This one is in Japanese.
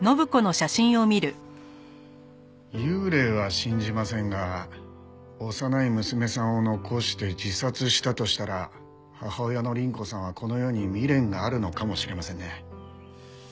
幽霊は信じませんが幼い娘さんを残して自殺したとしたら母親の倫子さんはこの世に未練があるのかもしれませんね。